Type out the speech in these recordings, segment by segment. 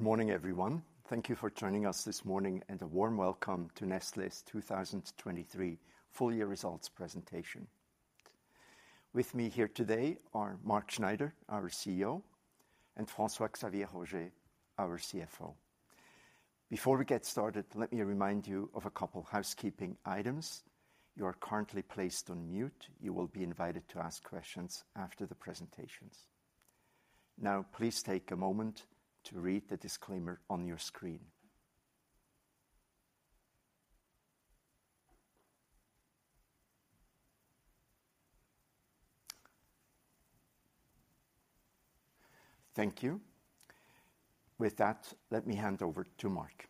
Good morning, everyone. Thank you for joining us this morning, and a warm welcome to Nestlé's 2023 full year results presentation. With me here today are Mark Schneider, our CEO, and François-Xavier Roger, our CFO. Before we get started, let me remind you of a couple housekeeping items. You are currently placed on mute. You will be invited to ask questions after the presentations. Now, please take a moment to read the disclaimer on your screen. Thank you. With that, let me hand over to Mark.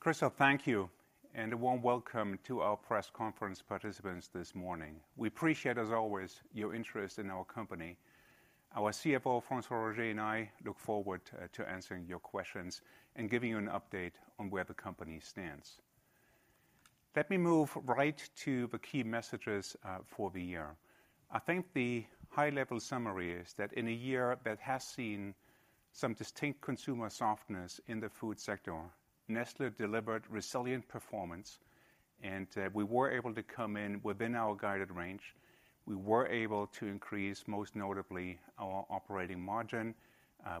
Christoph, thank you, and a warm welcome to our press conference participants this morning. We appreciate, as always, your interest in our company. Our CFO, François Roger, and I look forward to answering your questions and giving you an update on where the company stands. Let me move right to the key messages for the year. I think the high-level summary is that in a year that has seen some distinct consumer softness in the food sector, Nestlé delivered resilient performance, and we were able to come in within our guided range. We were able to increase, most notably, our operating margin.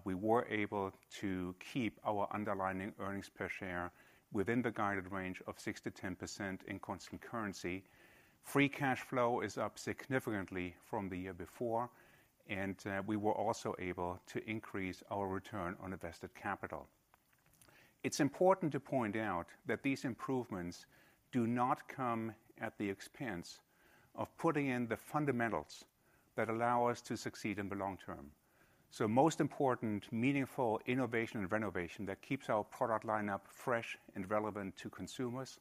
We were able to keep our underlying earnings per share within the guided range of 6%-10% in constant currency. Free Cash Flow is up significantly from the year before, and we were also able to increase our return on invested capital. It's important to point out that these improvements do not come at the expense of putting in the fundamentals that allow us to succeed in the long term. So most important, meaningful innovation and renovation that keeps our product line up fresh and relevant to consumers,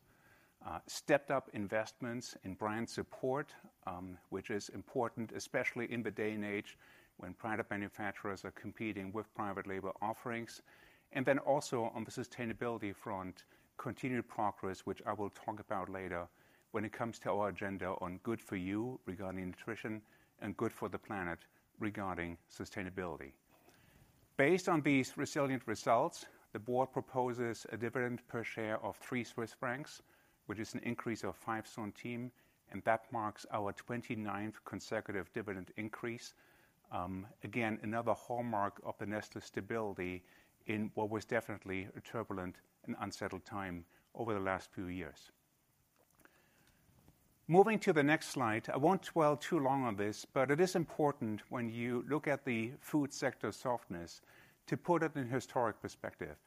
stepped up investments in brand support, which is important, especially in the day and age when product manufacturers are competing with private label offerings. And then also on the sustainability front, continued progress, which I will talk about later when it comes to our agenda on good for you regarding nutrition and good for the planet regarding sustainability. Based on these resilient results, the board proposes a dividend per share of 3 Swiss francs, which is an increase of 0.05 CHF, and that marks our 29th consecutive dividend increase. Again, another hallmark of the Nestlé stability in what was definitely a turbulent and unsettled time over the last few years. Moving to the next slide, I won't dwell too long on this, but it is important when you look at the food sector softness, to put it in historic perspective.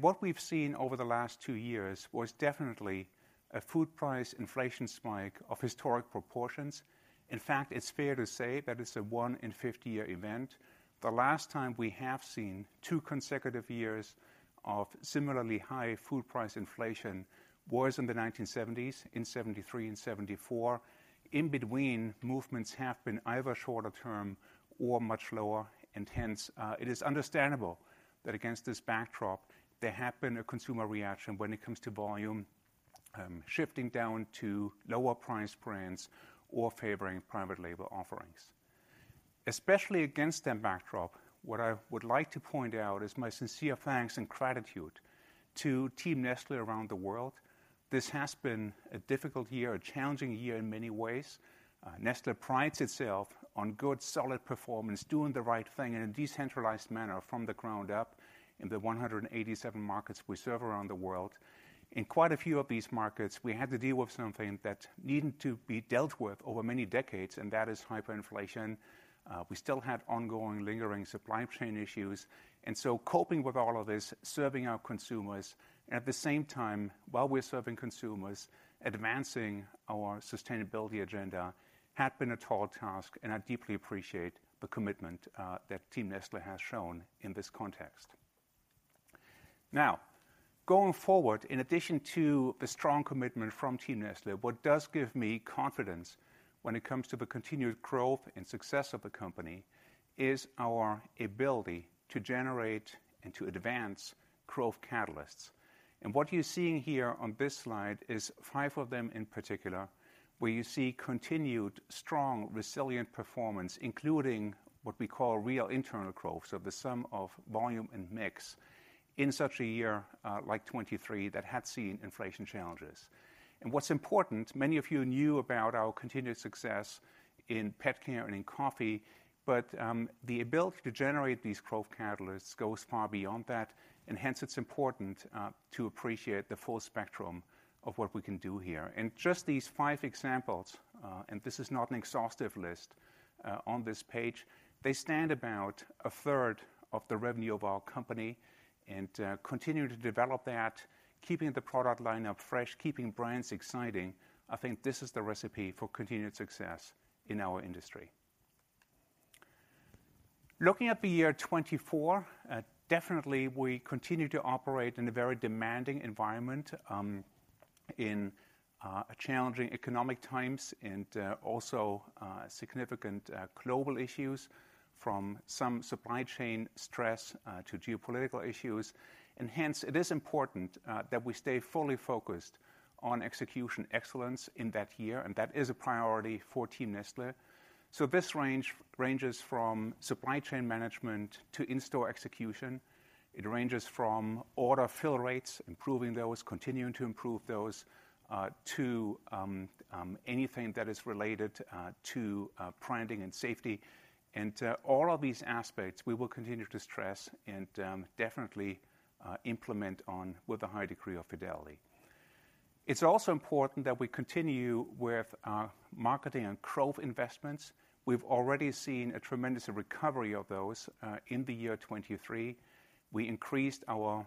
What we've seen over the last 2 years was definitely a food price inflation spike of historic proportions. In fact, it's fair to say that it's a 1 in 50-year event. The last time we have seen 2 consecutive years of similarly high food price inflation was in the 1970s, in 1973 and 1974. In between, movements have been either shorter term or much lower, and hence, it is understandable that against this backdrop, there have been a consumer reaction when it comes to volume, shifting down to lower priced brands or favoring private label offerings. Especially against that backdrop, what I would like to point out is my sincere thanks and gratitude to Team Nestlé around the world. This has been a difficult year, a challenging year in many ways. Nestlé prides itself on good, solid performance, doing the right thing in a decentralized manner from the ground up in the 187 markets we serve around the world. In quite a few of these markets, we had to deal with something that needed to be dealt with over many decades, and that is hyperinflation. We still had ongoing, lingering supply chain issues, and so coping with all of this, serving our consumers, at the same time, while we're serving consumers, advancing our sustainability agenda, had been a tall task, and I deeply appreciate the commitment that Team Nestlé has shown in this context. Now, going forward, in addition to the strong commitment from Team Nestlé, what does give me confidence when it comes to the continued growth and success of the company is our ability to generate and to advance growth catalysts. What you're seeing here on this slide is five of them in particular, where you see continued strong, resilient performance, including what we call real internal growth, so the sum of volume and mix in such a year, like 2023, that had seen inflation challenges. What's important, many of you knew about our continued success in pet care and in coffee, but the ability to generate these growth catalysts goes far beyond that, and hence, it's important to appreciate the full spectrum of what we can do here. Just these five examples, and this is not an exhaustive list, on this page, they stand about a third of the revenue of our company and continue to develop that, keeping the product line up fresh, keeping brands exciting. I think this is the recipe for continued success in our industry. Looking at the year 2024, definitely we continue to operate in a very demanding environment in challenging economic times and also significant global issues from some supply chain stress to geopolitical issues. Hence, it is important that we stay fully focused on execution excellence in that year, and that is a priority for Team Nestlé. So this range ranges from supply chain management to in-store execution. It ranges from order fill rates, improving those, continuing to improve those, to anything that is related to branding and safety. And all of these aspects, we will continue to stress and definitely implement on with a high degree of fidelity. It's also important that we continue with our marketing and growth investments. We've already seen a tremendous recovery of those in the year 2023. We increased our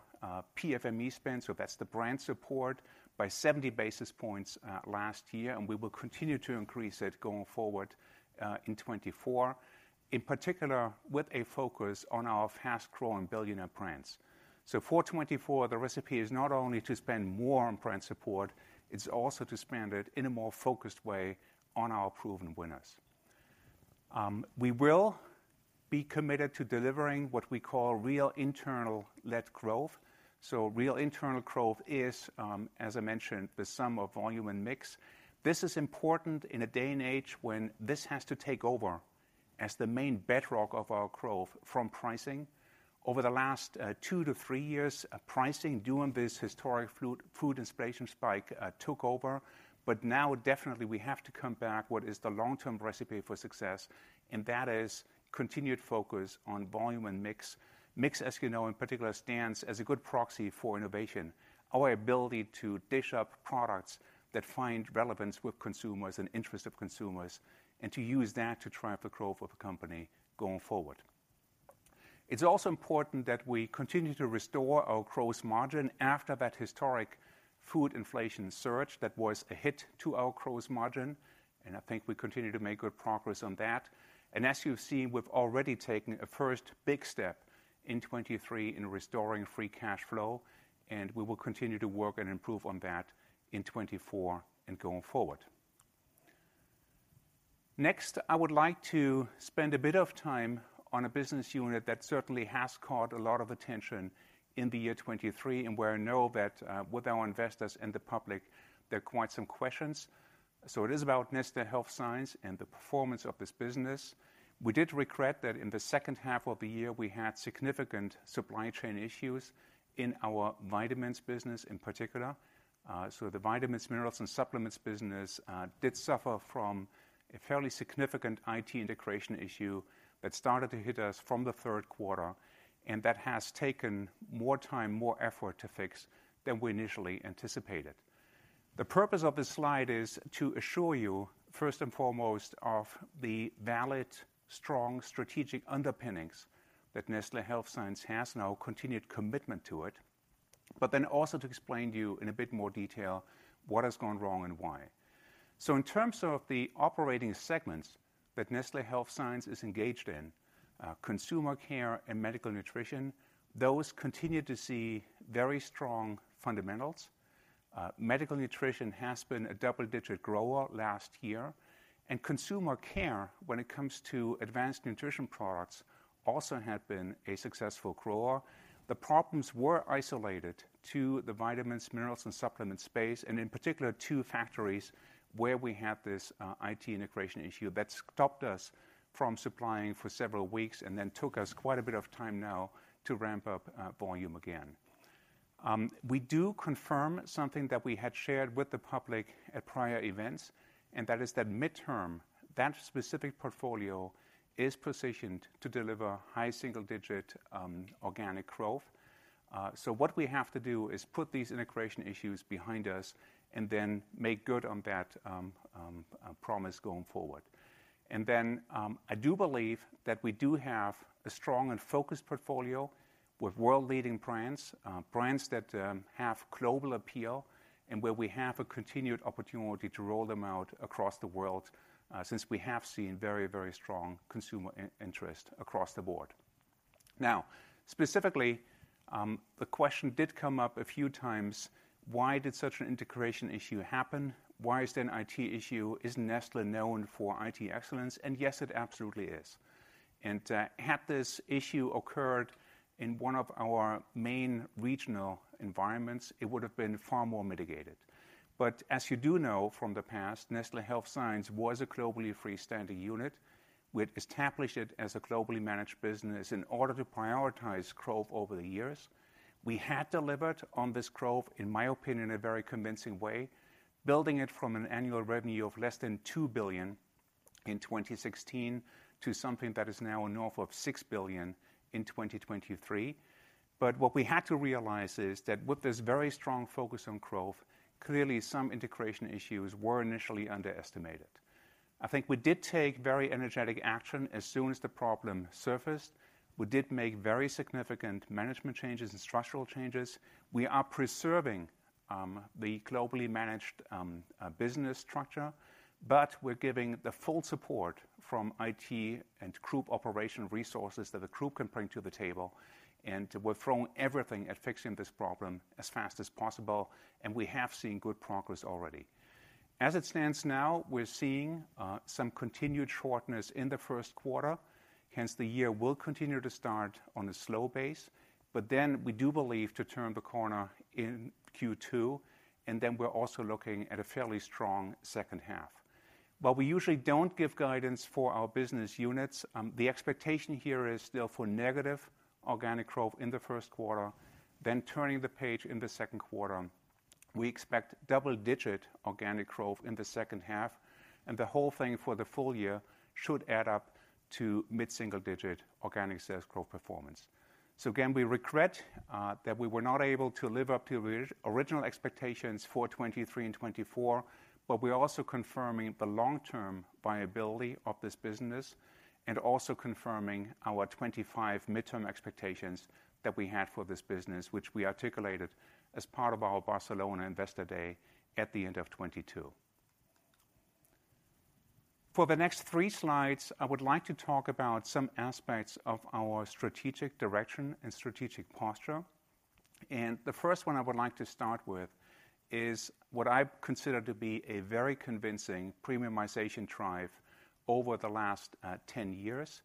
PFME spend, so that's the brand support, by 70 basis points last year, and we will continue to increase it going forward in 2024. In particular, with a focus on our fast-growing billionaire brands. So for 2024, the recipe is not only to spend more on brand support, it's also to spend it in a more focused way on our proven winners. We will be committed to delivering what we call real internal-led growth. So real internal growth is, as I mentioned, the sum of volume and mix. This is important in a day and age when this has to take over as the main bedrock of our growth from pricing. Over the last 2-3 years, pricing, during this historic food inflation spike, took over, but now definitely we have to come back what is the long-term recipe for success, and that is continued focus on volume and mix. Mix, as you know, in particular, stands as a good proxy for innovation. Our ability to dish up products that find relevance with consumers and interest of consumers, and to use that to drive the growth of the company going forward. It's also important that we continue to restore our gross margin after that historic food inflation surge that was a hit to our gross margin, and I think we continue to make good progress on that. And as you've seen, we've already taken a first big step in 2023 in restoring free cash flow, and we will continue to work and improve on that in 2024 and going forward. Next, I would like to spend a bit of time on a business unit that certainly has caught a lot of attention in the year 2023, and where I know that, with our investors and the public, there are quite some questions. So it is about Nestlé Health Science and the performance of this business. We did regret that in the second half of the year, we had significant supply chain issues in our vitamins business in particular. So the vitamins, minerals, and supplements business did suffer from a fairly significant IT integration issue that started to hit us from the third quarter, and that has taken more time, more effort to fix than we initially anticipated. The purpose of this slide is to assure you, first and foremost, of the valid, strong strategic underpinnings that Nestlé Health Science has now, continued commitment to it, but then also to explain to you in a bit more detail what has gone wrong and why. So in terms of the operating segments that Nestlé Health Science is engaged in, consumer care and medical nutrition, those continue to see very strong fundamentals. Medical nutrition has been a double-digit grower last year, and consumer care, when it comes to advanced nutrition products, also had been a successful grower. The problems were isolated to the vitamins, minerals, and supplements space, and in particular, two factories where we had this IT integration issue that stopped us from supplying for several weeks and then took us quite a bit of time now to ramp up volume again. We do confirm something that we had shared with the public at prior events, and that is that midterm, that specific portfolio is positioned to deliver high single-digit organic growth. So what we have to do is put these integration issues behind us and then make good on that promise going forward. I do believe that we do have a strong and focused portfolio with world-leading brands, brands that have global appeal and where we have a continued opportunity to roll them out across the world, since we have seen very, very strong consumer interest across the board. Now, specifically, the question did come up a few times: Why did such an integration issue happen? Why is there an IT issue? Isn't Nestlé known for IT excellence? And yes, it absolutely is. Had this issue occurred in one of our main regional environments, it would have been far more mitigated. But as you do know from the past, Nestlé Health Science was a globally freestanding unit. We established it as a globally managed business in order to prioritize growth over the years. We had delivered on this growth, in my opinion, in a very convincing way, building it from an annual revenue of less than 2 billion in 2016 to something that is now north of 6 billion in 2023. But what we had to realize is that with this very strong focus on growth, clearly some integration issues were initially underestimated. I think we did take very energetic action as soon as the problem surfaced. We did make very significant management changes and structural changes. We are preserving the globally managed business structure, but we're giving the full support from IT and group operation resources that the group can bring to the table, and we're throwing everything at fixing this problem as fast as possible, and we have seen good progress already. As it stands now, we're seeing some continued shortness in the first quarter, hence the year will continue to start on a slow pace. But then we do believe to turn the corner in Q2, and then we're also looking at a fairly strong second half. While we usually don't give guidance for our business units, the expectation here is still for negative organic growth in the first quarter, then turning the page in the second quarter. We expect double-digit organic growth in the second half, and the whole thing for the full year should add up to mid-single-digit organic sales growth performance. So again, we regret that we were not able to live up to the original expectations for 2023 and 2024, but we're also confirming the long-term viability of this business and also confirming our 2025 midterm expectations that we had for this business, which we articulated as part of our Barcelona Investor Day at the end of 2022. For the next three slides, I would like to talk about some aspects of our strategic direction and strategic posture. And the first one I would like to start with is what I consider to be a very convincing premiumization drive over the last 10 years.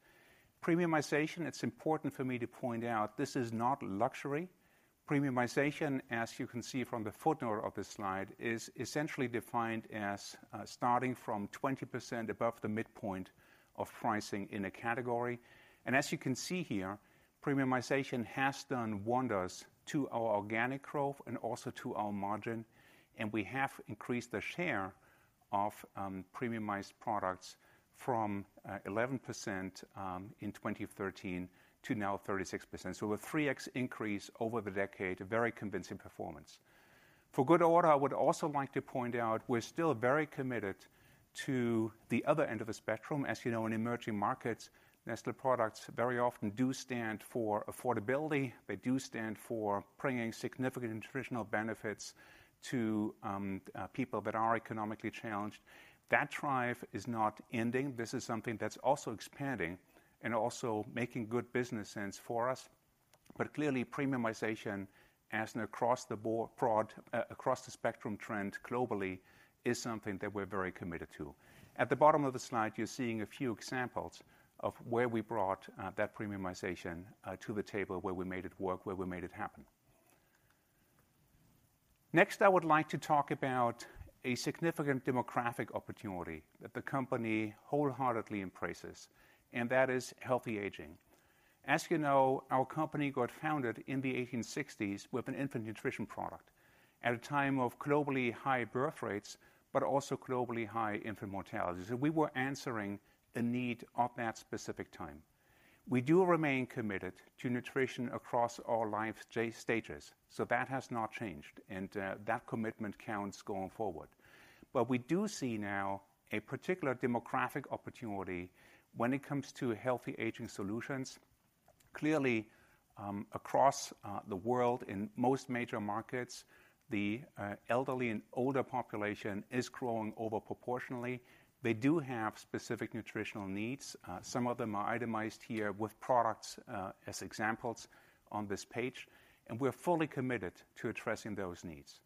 Premiumization, it's important for me to point out, this is not luxury. Premiumization, as you can see from the footnote of this slide, is essentially defined as starting from 20% above the midpoint of pricing in a category. As you can see here, premiumization has done wonders to our organic growth and also to our margin, and we have increased the share of premiumized products from 11% in 2013 to now 36%. So a 3x increase over the decade, a very convincing performance. For good order, I would also like to point out we're still very committed to the other end of the spectrum. As you know, in emerging markets, Nestlé products very often do stand for affordability. They do stand for bringing significant nutritional benefits to people that are economically challenged. That drive is not ending. This is something that's also expanding and also making good business sense for us. But clearly, premiumization as an across-the-board, broad across-the-spectrum trend globally, is something that we're very committed to. At the bottom of the slide, you're seeing a few examples of where we brought that premiumization to the table, where we made it work, where we made it happen. Next, I would like to talk about a significant demographic opportunity that the company wholeheartedly embraces, and that is healthy aging. As you know, our company got founded in the 1860s with an infant nutrition product at a time of globally high birth rates, but also globally high infant mortality. So we were answering the need of that specific time. We do remain committed to nutrition across all life stages, so that has not changed, and that commitment counts going forward. But we do see now a particular demographic opportunity when it comes to healthy aging solutions. Clearly, across the world, in most major markets, the elderly and older population is growing over proportionally. They do have specific nutritional needs. Some of them are itemized here with products, as examples on this page, and we're fully committed to addressing those needs.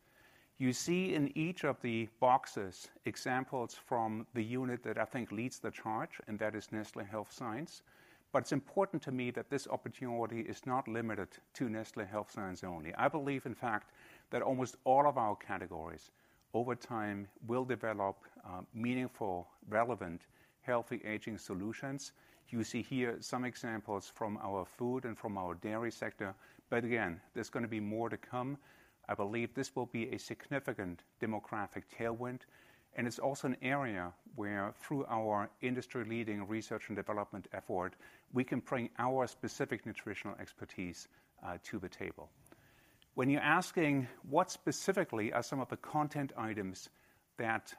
You see in each of the boxes, examples from the unit that I think leads the charge, and that is Nestlé Health Science. But it's important to me that this opportunity is not limited to Nestlé Health Science only. I believe, in fact, that almost all of our categories, over time, will develop meaningful, relevant, healthy aging solutions. You see here some examples from our food and from our dairy sector, but again, there's gonna be more to come. I believe this will be a significant demographic tailwind, and it's also an area where through our industry-leading research and development effort, we can bring our specific nutritional expertise to the table. When you're asking, what specifically are some of the content items that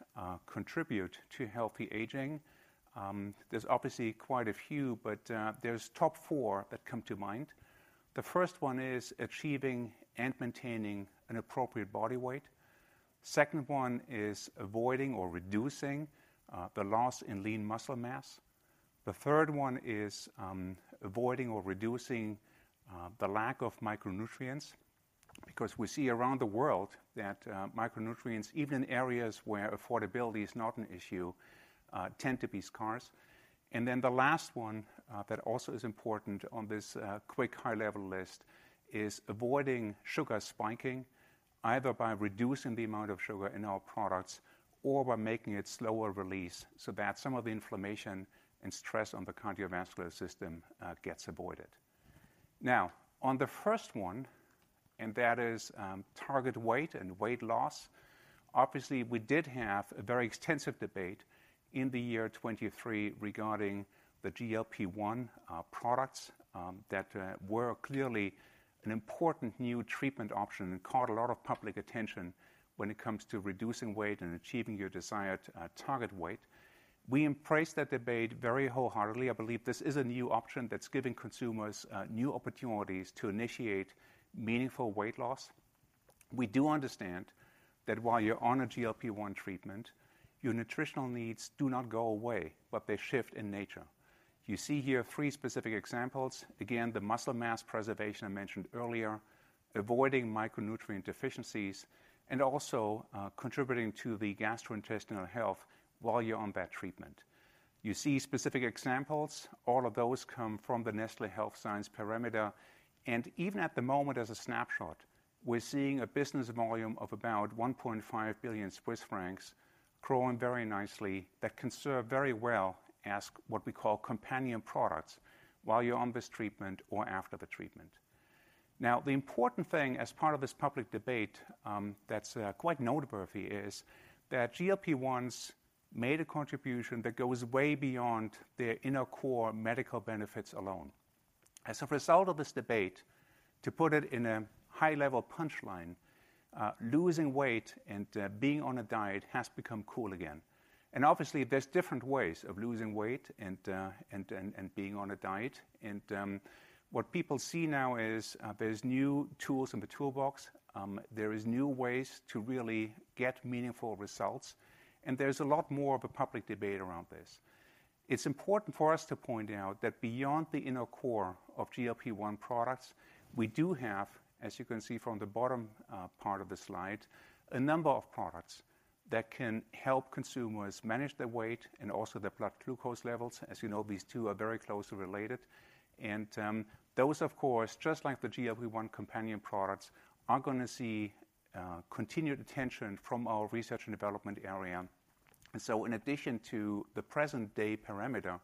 contribute to healthy aging? There's obviously quite a few, but there's top four that come to mind. The first one is achieving and maintaining an appropriate body weight. Second one is avoiding or reducing the loss in lean muscle mass. The third one is avoiding or reducing the lack of micronutrients, because we see around the world that micronutrients, even in areas where affordability is not an issue, tend to be scarce. And then the last one, that also is important on this, quick, high-level list is avoiding sugar spiking, either by reducing the amount of sugar in our products or by making it slower release, so that some of the inflammation and stress on the cardiovascular system, gets avoided. Now, on the first one, and that is, target weight and weight loss. Obviously, we did have a very extensive debate in 2023 regarding the GLP-1 products, that were clearly an important new treatment option and caught a lot of public attention when it comes to reducing weight and achieving your desired target weight. We embrace that debate very wholeheartedly. I believe this is a new option that's giving consumers new opportunities to initiate meaningful weight loss. We do understand that while you're on a GLP-1 treatment, your nutritional needs do not go away, but they shift in nature. You see here three specific examples. Again, the muscle mass preservation I mentioned earlier, avoiding micronutrient deficiencies, and also contributing to the gastrointestinal health while you're on that treatment. You see specific examples. All of those come from the Nestlé Health Science parameter. And even at the moment, as a snapshot, we're seeing a business volume of about 1.5 billion Swiss francs growing very nicely, that can serve very well as what we call companion products, while you're on this treatment or after the treatment. Now, the important thing, as part of this public debate, that's quite noteworthy, is that GLP-1s made a contribution that goes way beyond their inner core medical benefits alone. As a result of this debate, to put it in a high-level punchline, losing weight and being on a diet has become cool again. And obviously, there's different ways of losing weight and being on a diet. And what people see now is, there's new tools in the toolbox. There is new ways to really get meaningful results, and there's a lot more of a public debate around this. It's important for us to point out that beyond the inner core of GLP-1 products, we do have, as you can see from the bottom, part of the slide, a number of products that can help consumers manage their weight and also their blood glucose levels. As you know, these two are very closely related, and those, of course, just like the GLP-1 companion products, are gonna see continued attention from our research and development area. And so in addition to the present-day parameter,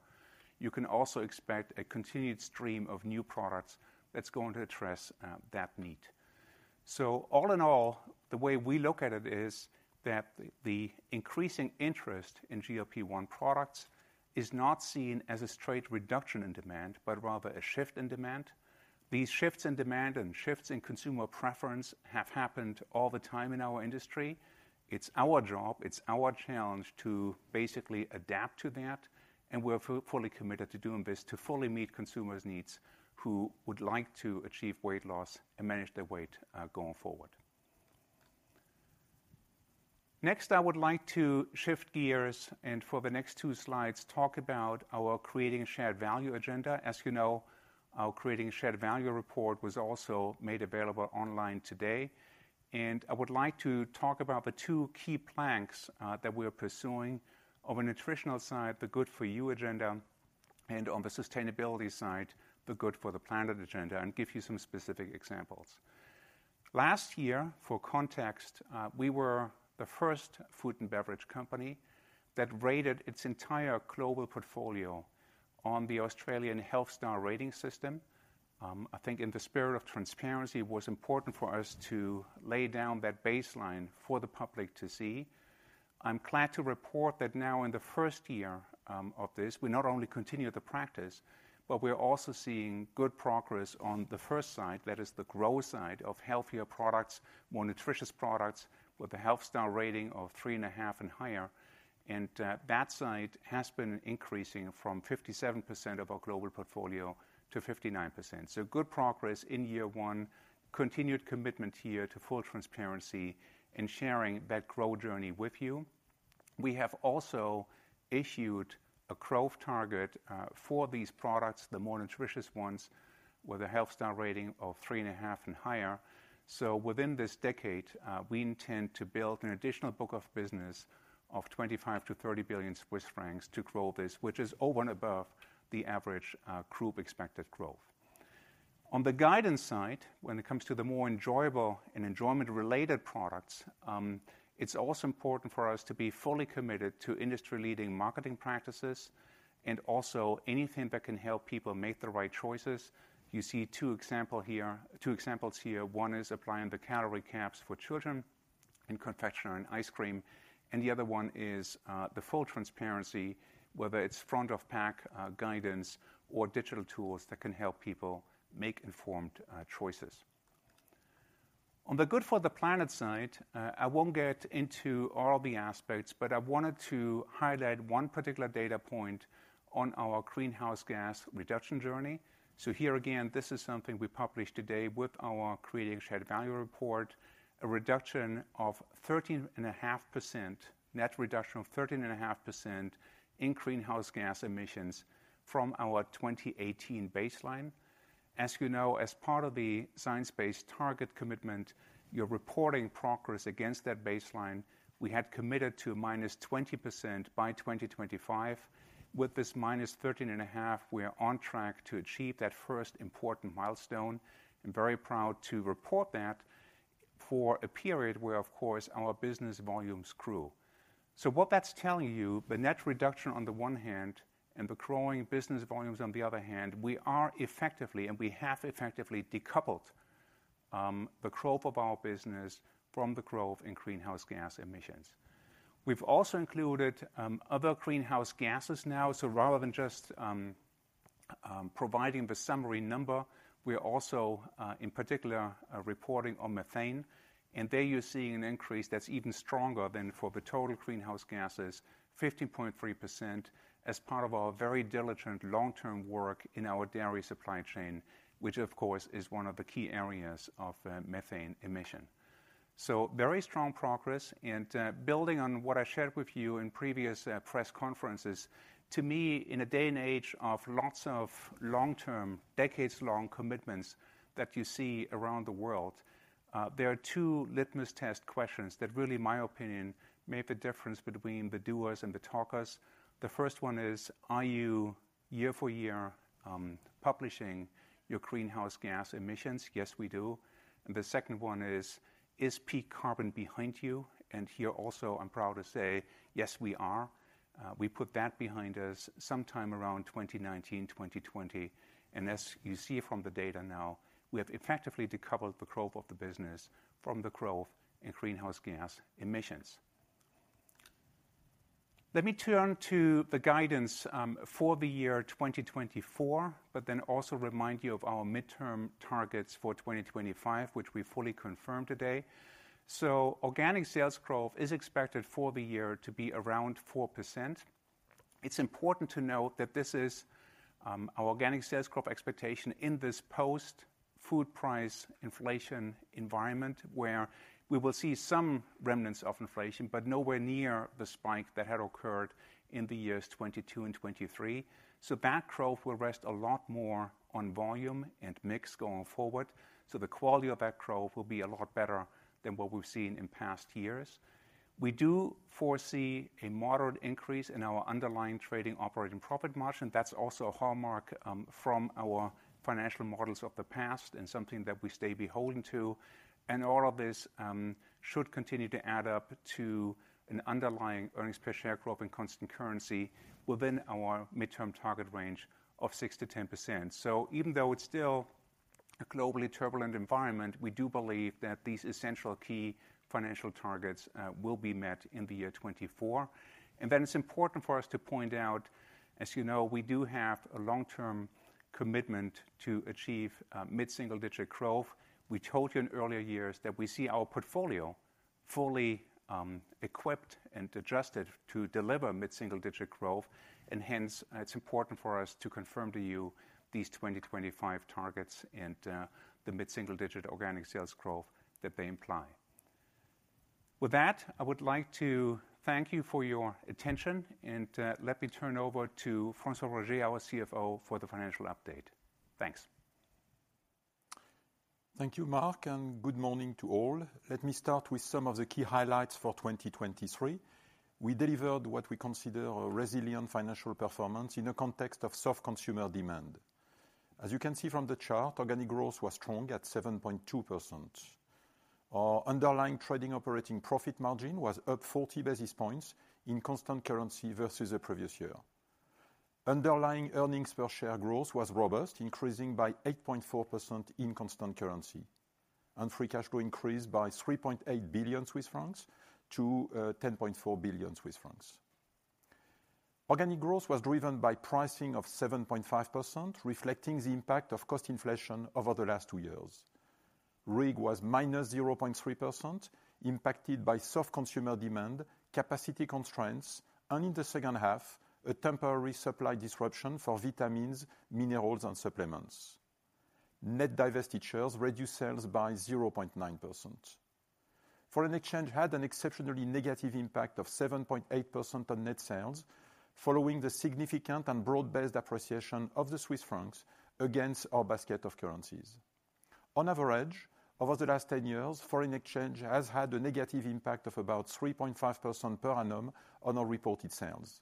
you can also expect a continued stream of new products that's going to address that need. So all in all, the way we look at it is that the increasing interest in GLP-1 products is not seen as a straight reduction in demand, but rather a shift in demand. These shifts in demand and shifts in consumer preference have happened all the time in our industry. It's our job, it's our challenge to basically adapt to that, and we're fully committed to doing this, to fully meet consumers' needs who would like to achieve weight loss and manage their weight going forward. Next, I would like to shift gears, and for the next two slides, talk about our Creating Shared Value agenda. As you know, our Creating Shared Value report was also made available online today, and I would like to talk about the two key planks that we are pursuing. On the nutritional side, the Good For You agenda, and on the sustainability side, the Good For the Planet agenda, and give you some specific examples. Last year, for context, we were the first food and beverage company that rated its entire global portfolio on the Australian Health Star Rating system. I think in the spirit of transparency, it was important for us to lay down that baseline for the public to see. I'm glad to report that now in the first year of this, we not only continue the practice, but we're also seeing good progress on the first side, that is the growth side of healthier products, more nutritious products, with a Health Star Rating of 3.5 and higher. And that side has been increasing from 57% of our global portfolio to 59%. So good progress in year one, continued commitment here to full transparency and sharing that growth journey with you. We have also issued a growth target for these products, the more nutritious ones, with a Health Star Rating of 3.5 and higher. So within this decade, we intend to build an additional book of business of 25 billion-30 billion Swiss francs to grow this, which is over and above the average group expected growth. On the guidance side, when it comes to the more enjoyable and enjoyment-related products, it's also important for us to be fully committed to industry-leading marketing practices and also anything that can help people make the right choices. You see two examples here. One is applying the calorie caps for children in confectionery and ice cream, and the other one is the full transparency, whether it's front-of-pack guidance or digital tools that can help people make informed choices. On the Good For the Planet side, I won't get into all the aspects, but I wanted to highlight one particular data point on our greenhouse gas reduction journey. Here again, this is something we published today with our Creating Shared Value report, a reduction of 13.5%, net reduction of 13.5% in greenhouse gas emissions from our 2018 baseline. As you know, as part of the Science-Based Target commitment, you're reporting progress against that baseline. We had committed to -20% by 2025. With this -13.5, we are on track to achieve that first important milestone. I'm very proud to report that for a period where, of course, our business volumes grew. What that's telling you, the net reduction on the one hand and the growing business volumes on the other hand, we are effectively, and we have effectively decoupled the growth of our business from the growth in greenhouse gas emissions. We've also included other greenhouse gases now. So rather than just providing the summary number, we are also, in particular, reporting on methane, and there you're seeing an increase that's even stronger than for the total greenhouse gases, 15.3%, as part of our very diligent long-term work in our dairy supply chain, which of course is one of the key areas of methane emission. So very strong progress, and building on what I shared with you in previous press conferences, to me, in a day and age of lots of long-term, decades-long commitments that you see around the world, there are two litmus test questions that really, in my opinion, make the difference between the doers and the talkers. The first one is: Are you, year for year, publishing your greenhouse gas emissions? Yes, we do. And the second one is: Is peak carbon behind you? And here also, I'm proud to say, yes, we are. We put that behind us sometime around 2019, 2020, and as you see from the data now, we have effectively decoupled the growth of the business from the growth in greenhouse gas emissions. Let me turn to the guidance, for the year 2024, but then also remind you of our midterm targets for 2025, which we fully confirm today. So organic sales growth is expected for the year to be around 4%. It's important to note that this is our organic sales growth expectation in this post-food price inflation environment, where we will see some remnants of inflation, but nowhere near the spike that had occurred in the years 2022 and 2023. So that growth will rest a lot more on volume and mix going forward, so the quality of that growth will be a lot better than what we've seen in past years. We do foresee a moderate increase in our Underlying Trading Operating Profit Margin. That's also a hallmark from our financial models of the past and something that we stay beholden to. And all of this should continue to add up to an Underlying Earnings Per Share growth in constant currency within our midterm target range of 6%-10%. So even though it's still a globally turbulent environment, we do believe that these essential key financial targets will be met in the year 2024. And then it's important for us to point out, as you know, we do have a long-term commitment to achieve mid-single-digit growth. We told you in earlier years that we see our portfolio fully, equipped and adjusted to deliver mid-single-digit growth, and hence, it's important for us to confirm to you these 2025 targets and, the mid-single-digit organic sales growth that they imply. With that, I would like to thank you for your attention, and, let me turn over to François Roger, our CFO, for the financial update. Thanks. Thank you, Mark, and good morning to all. Let me start with some of the key highlights for 2023. We delivered what we consider a resilient financial performance in a context of soft consumer demand. As you can see from the chart, organic growth was strong at 7.2%. Our underlying trading operating profit margin was up 40 basis points in constant currency versus the previous year. Underlying earnings per share growth was robust, increasing by 8.4% in constant currency, and free cash flow increased by 3.8 billion Swiss francs to 10.4 billion Swiss francs. Organic growth was driven by pricing of 7.5%, reflecting the impact of cost inflation over the last two years. RIG was -0.3%, impacted by soft consumer demand, capacity constraints, and in the second half, a temporary supply disruption for vitamins, minerals, and supplements. Net divestitures reduced sales by 0.9%. Foreign exchange had an exceptionally negative impact of 7.8% on net sales, following the significant and broad-based appreciation of the Swiss francs against our basket of currencies. On average, over the last 10 years, foreign exchange has had a negative impact of about 3.5% per annum on our reported sales.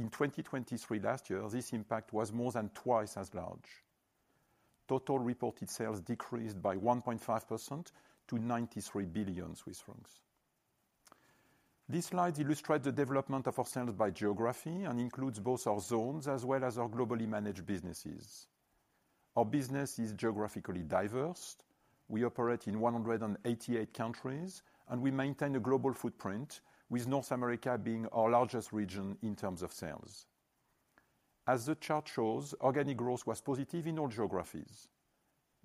In 2023 last year, this impact was more than twice as large. Total reported sales decreased by 1.5% to 93 billion Swiss francs. This slide illustrates the development of our sales by geography and includes both our zones as well as our globally managed businesses. Our business is geographically diverse. We operate in 188 countries, and we maintain a global footprint, with North America being our largest region in terms of sales. As the chart shows, organic growth was positive in all geographies.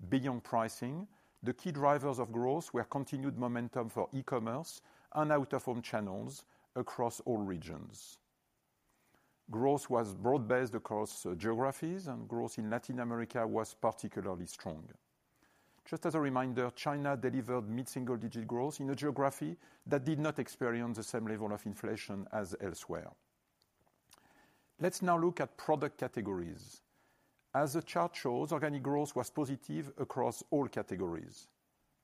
Beyond pricing, the key drivers of growth were continued momentum for e-commerce and out-of-home channels across all regions. Growth was broad-based across geographies, and growth in Latin America was particularly strong. Just as a reminder, China delivered mid-single-digit growth in a geography that did not experience the same level of inflation as elsewhere. Let's now look at product categories. As the chart shows, organic growth was positive across all categories.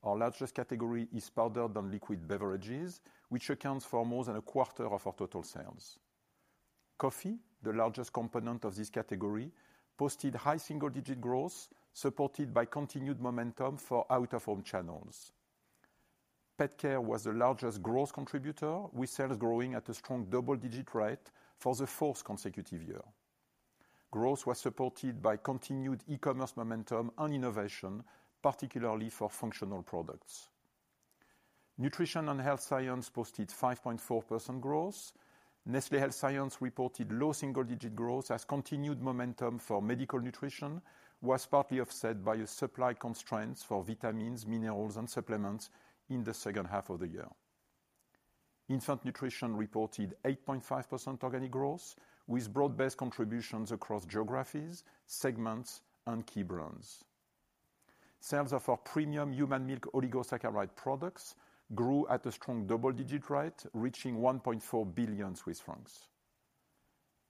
Our largest category is powdered and liquid beverages, which accounts for more than a quarter of our total sales. Coffee, the largest component of this category, posted high single-digit growth, supported by continued momentum for out-of-home channels. Pet care was the largest growth contributor, with sales growing at a strong double-digit rate for the fourth consecutive year. Growth was supported by continued e-commerce momentum and innovation, particularly for functional products. Nutrition and health science posted 5.4% growth. Nestlé Health Science reported low single-digit growth as continued momentum for medical nutrition was partly offset by a supply constraints for vitamins, minerals, and supplements in the second half of the year... Infant nutrition reported 8.5% organic growth, with broad-based contributions across geographies, segments, and key brands. Sales of our premium Human Milk Oligosaccharide products grew at a strong double-digit rate, reaching 1.4 billion Swiss francs.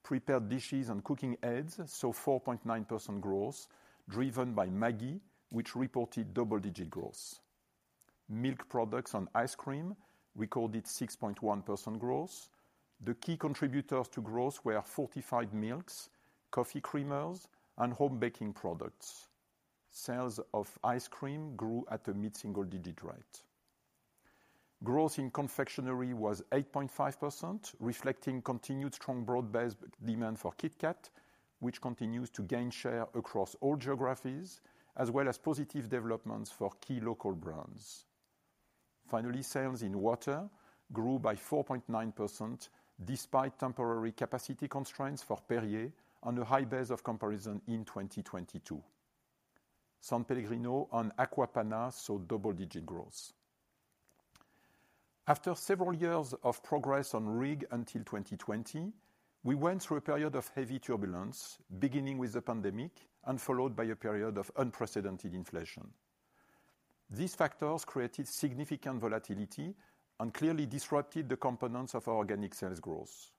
Prepared dishes and cooking aids saw 4.9% growth, driven by Maggi, which reported double-digit growth. Milk products and ice cream recorded 6.1% growth. The key contributors to growth were fortified milks, coffee creamers, and home baking products. Sales of ice cream grew at a mid-single-digit rate. Growth in confectionery was 8.5%, reflecting continued strong broad-based demand for KitKat, which continues to gain share across all geographies, as well as positive developments for key local brands. Finally, sales in water grew by 4.9%, despite temporary capacity constraints for Perrier on a high base of comparison in 2022. San Pellegrino and Acqua Panna saw double-digit growth. After several years of progress on RIG until 2020, we went through a period of heavy turbulence, beginning with the pandemic and followed by a period of unprecedented inflation. These factors created significant volatility and clearly disrupted the components of our organic sales growth.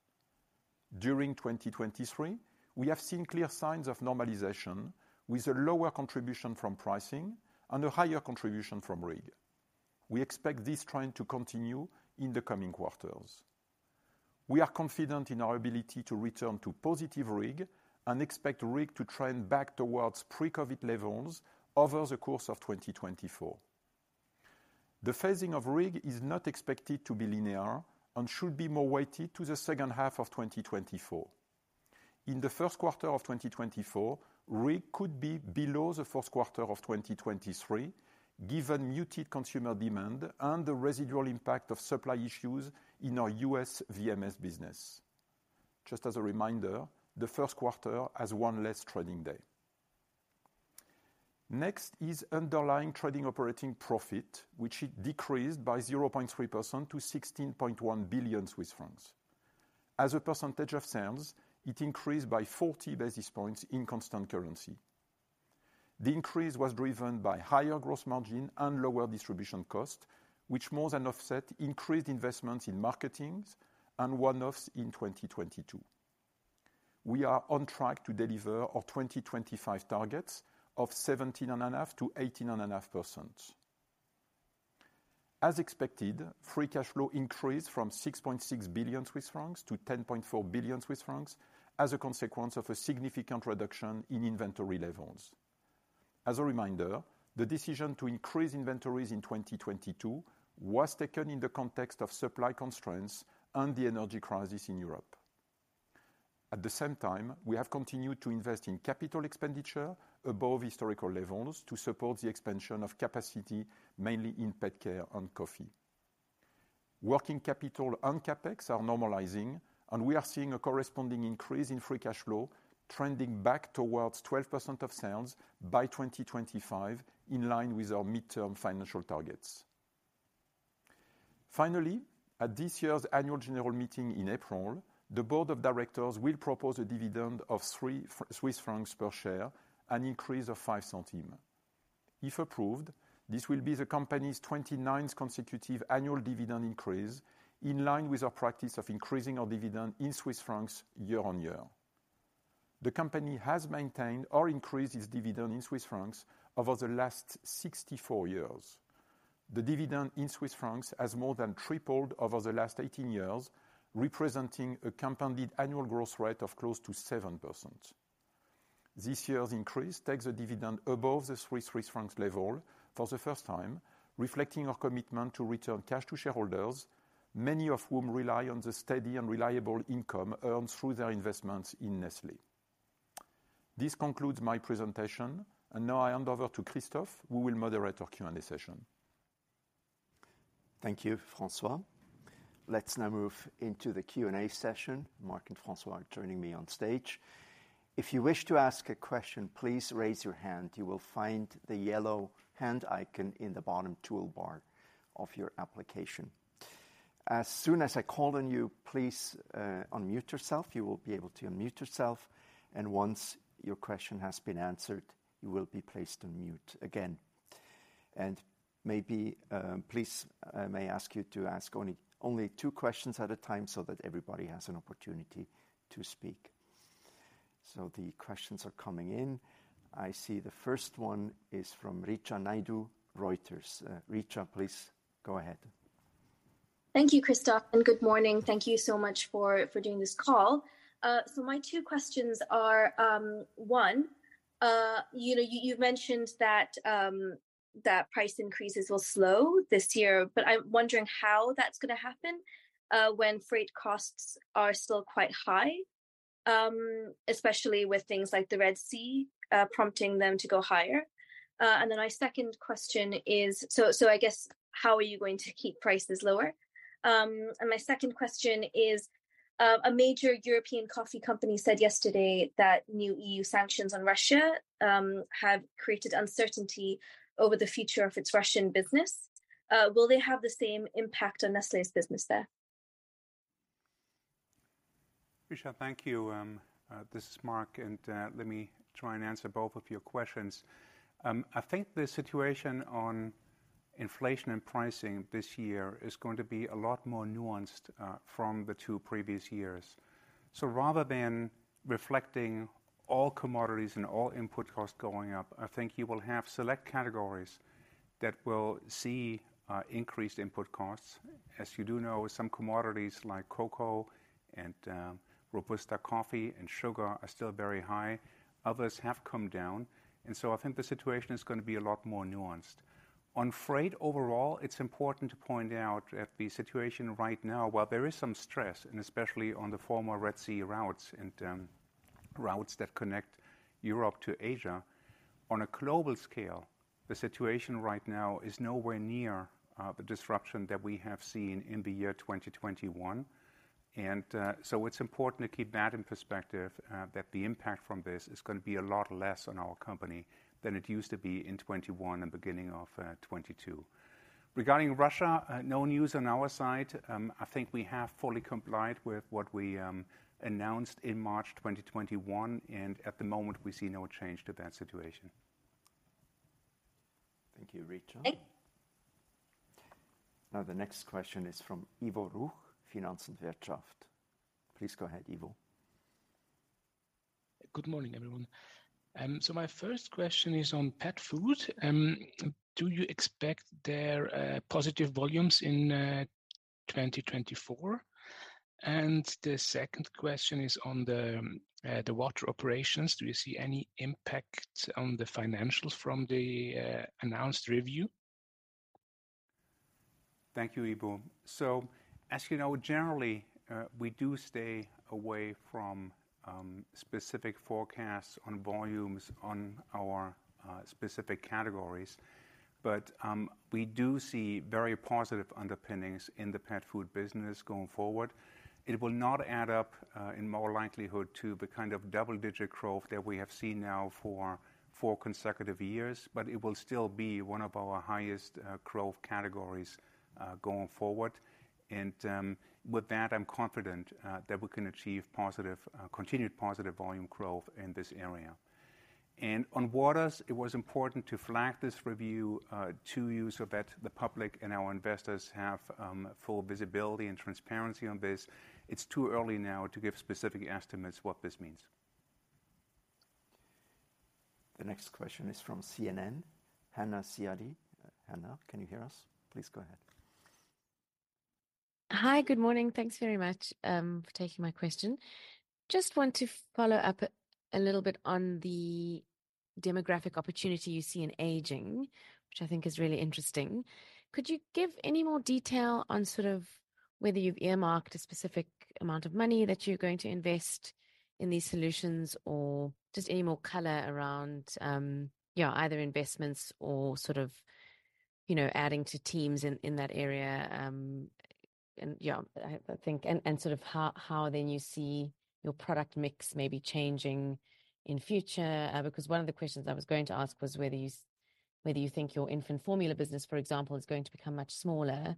During 2023, we have seen clear signs of normalization, with a lower contribution from pricing and a higher contribution from RIG. We expect this trend to continue in the coming quarters. We are confident in our ability to return to positive RIG and expect RIG to trend back towards pre-COVID levels over the course of 2024. The phasing of RIG is not expected to be linear and should be more weighted to the second half of 2024. In the first quarter of 2024, RIG could be below the first quarter of 2023, given muted consumer demand and the residual impact of supply issues in our US VMS business. Just as a reminder, the first quarter has one less trading day. Next is underlying trading operating profit, which it decreased by 0.3% to 16.1 billion Swiss francs. As a percentage of sales, it increased by 40 basis points in constant currency. The increase was driven by higher gross margin and lower distribution costs, which more than offset increased investments in marketings and one-offs in 2022. We are on track to deliver our 2025 targets of 17.5%-18.5%. As expected, free cash flow increased from 6.6 billion Swiss francs to 10.4 billion Swiss francs as a consequence of a significant reduction in inventory levels. As a reminder, the decision to increase inventories in 2022 was taken in the context of supply constraints and the energy crisis in Europe. At the same time, we have continued to invest in capital expenditure above historical levels to support the expansion of capacity, mainly in pet care and coffee. Working capital and CapEx are normalizing, and we are seeing a corresponding increase in free cash flow trending back towards 12% of sales by 2025, in line with our midterm financial targets. Finally, at this year's annual general meeting in April, the board of directors will propose a dividend of 3 Swiss francs per share, an increase of 5 centimes. If approved, this will be the company's 29th consecutive annual dividend increase, in line with our practice of increasing our dividend in Swiss francs year on year. The company has maintained or increased its dividend in Swiss francs over the last 64 years. The dividend in Swiss francs has more than tripled over the last 18 years, representing a compounded annual growth rate of close to 7%. This year's increase takes the dividend above the Swiss francs level for the first time, reflecting our commitment to return cash to shareholders, many of whom rely on the steady and reliable income earned through their investments in Nestlé. This concludes my presentation, and now I hand over to Christoph, who will moderate our Q&A session. Thank you, François. Let's now move into the Q&A session. Mark and François are joining me on stage. If you wish to ask a question, please raise your hand. You will find the yellow hand icon in the bottom toolbar of your application. As soon as I call on you, please, unmute yourself. You will be able to unmute yourself, and once your question has been answered, you will be placed on mute again. And maybe, please, I may ask you to ask only, only two questions at a time so that everybody has an opportunity to speak. So the questions are coming in. I see the first one is from Richa Naidu, Reuters. Richa, please go ahead. Thank you, Christoph, and good morning. Thank you so much for doing this call. So my two questions are, one, you know, you've mentioned that price increases will slow this year, but I'm wondering how that's gonna happen, when freight costs are still quite high, especially with things like the Red Sea, prompting them to go higher. And then my second question is... So, I guess, how are you going to keep prices lower? And my second question is, a major European coffee company said yesterday that new EU sanctions on Russia have created uncertainty over the future of its Russian business. Will they have the same impact on Nestlé's business there? Richa, thank you. This is Mark, and let me try and answer both of your questions. I think the situation on inflation and pricing this year is going to be a lot more nuanced from the two previous years. So rather than reflecting all commodities and all input costs going up, I think you will have select categories that will see increased input costs. As you do know, some commodities like cocoa and robusta coffee, and sugar are still very high. Others have come down, and so I think the situation is going to be a lot more nuanced. On freight overall, it's important to point out that the situation right now, while there is some stress, and especially on the former Red Sea routes and routes that connect Europe to Asia, on a global scale, the situation right now is nowhere near the disruption that we have seen in the year 2021. And so it's important to keep that in perspective that the impact from this is gonna be a lot less on our company than it used to be in 2021 and beginning of 2022. Regarding Russia, no news on our side. I think we have fully complied with what we announced in March 2021, and at the moment we see no change to that situation. Thank you, Richa. Thank- Now, the next question is from Ivo Ruch, Finanz und Wirtschaft. Please go ahead, Ivo. Good morning, everyone. So my first question is on pet food. Do you expect there positive volumes in 2024? And the second question is on the water operations. Do you see any impact on the financials from the announced review? Thank you, Ivo. So as you know, generally, we do stay away from specific forecasts on volumes on our specific categories. But we do see very positive underpinnings in the pet food business going forward. It will not add up, in more likelihood to the kind of double-digit growth that we have seen now for four consecutive years, but it will still be one of our highest growth categories going forward. With that, I'm confident that we can achieve positive continued positive volume growth in this area. On waters, it was important to flag this review to you so that the public and our investors have full visibility and transparency on this. It's too early now to give specific estimates what this means. The next question is from CNN, Hanna Ziady. Hanna, can you hear us? Please go ahead. Hi, good morning. Thanks very much for taking my question. Just want to follow up a little bit on the demographic opportunity you see in aging, which I think is really interesting. Could you give any more detail on sort of whether you've earmarked a specific amount of money that you're going to invest in these solutions, or just any more color around, yeah, either investments or sort of, you know, adding to teams in that area, and sort of how then you see your product mix maybe changing in future? Because one of the questions I was going to ask was whether you think your infant formula business, for example, is going to become much smaller,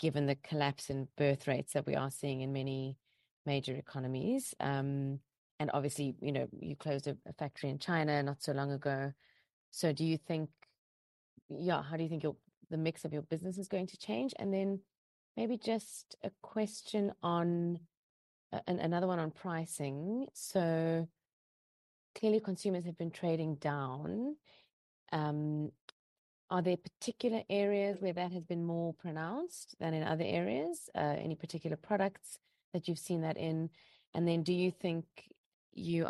given the collapse in birth rates that we are seeing in many major economies. Obviously, you know, you closed a factory in China not so long ago. So do you think... Yeah, how do you think the mix of your business is going to change? And then maybe just a question on another one on pricing. So clearly, consumers have been trading down. Are there particular areas where that has been more pronounced than in other areas? Any particular products that you've seen that in? And then do you think you're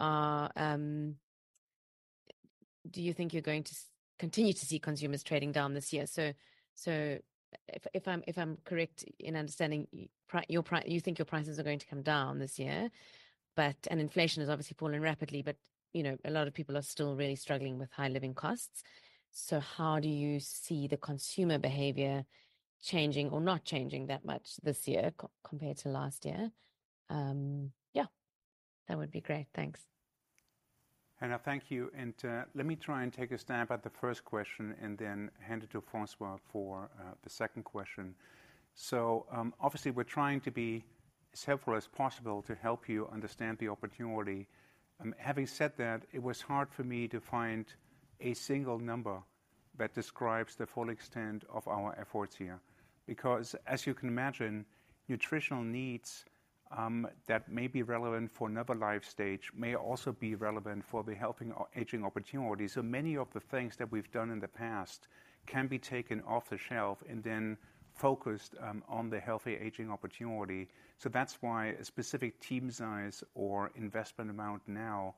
going to continue to see consumers trading down this year? So if I'm correct in understanding, you think your prices are going to come down this year, but, and inflation is obviously falling rapidly, but, you know, a lot of people are still really struggling with high living costs. So how do you see the consumer behavior changing or not changing that much this year compared to last year? Yeah, that would be great. Thanks. Hanna, thank you. Let me try and take a stab at the first question and then hand it to François for the second question. So, obviously, we're trying to be helpful as possible to help you understand the opportunity. Having said that, it was hard for me to find a single number that describes the full extent of our efforts here. Because as you can imagine, nutritional needs that may be relevant for another life stage may also be relevant for the healthy aging opportunity. So many of the things that we've done in the past can be taken off the shelf and then focused on the healthy aging opportunity. So that's why a specific team size or investment amount now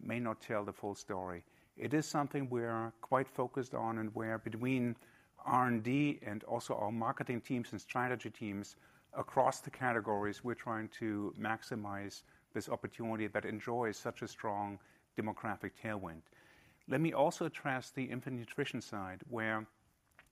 may not tell the full story. It is something we're quite focused on, and where between R&D and also our marketing teams and strategy teams across the categories, we're trying to maximize this opportunity that enjoys such a strong demographic tailwind. Let me also address the infant nutrition side, where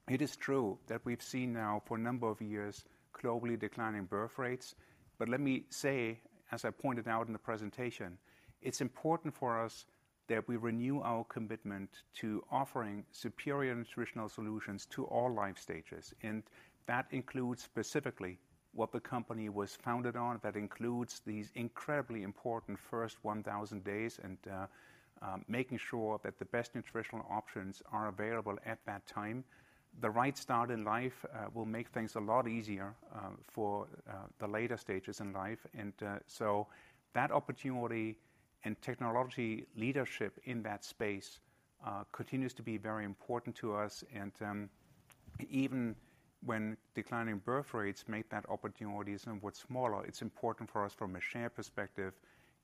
it is true that we've seen now for a number of years, globally declining birth rates. But let me say, as I pointed out in the presentation, it's important for us that we renew our commitment to offering superior nutritional solutions to all life stages, and that includes specifically what the company was founded on. That includes these incredibly important first 1,000 days, and making sure that the best nutritional options are available at that time. The right start in life will make things a lot easier for the later stages in life. And, so that opportunity and technology leadership in that space, continues to be very important to us, and, even when declining birth rates make that opportunity somewhat smaller, it's important for us from a share perspective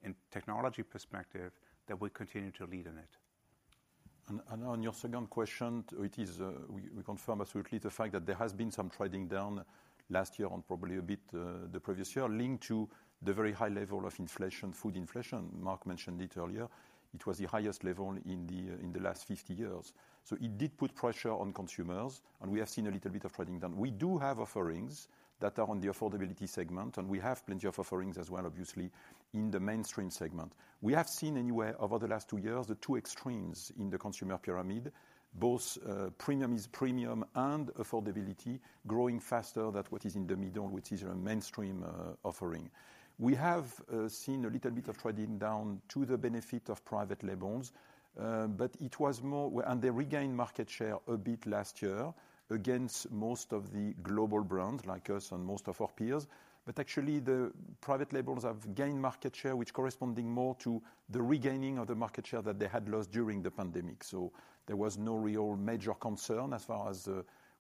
and technology perspective, that we continue to lead in it. And on your second question, it is, we, we confirm absolutely the fact that there has been some trading down last year and probably a bit, the previous year, linked to the very high level of inflation, food inflation. Mark mentioned it earlier. It was the highest level in the, in the last 50 years. So it did put pressure on consumers, and we have seen a little bit of trading down. We do have offerings that are on the affordability segment, and we have plenty of offerings as well, obviously, in the mainstream segment. We have seen anywhere over the last two years, the two extremes in the consumer pyramid, both, premium is premium and affordability growing faster than what is in the middle, which is a mainstream, offering. We have seen a little bit of trading down to the benefit of private labels, but it was more and they regained market share a bit last year against most of the global brands like us and most of our peers. But actually, the private labels have gained market share, which corresponding more to the regaining of the market share that they had lost during the pandemic. So there was no real major concern as far as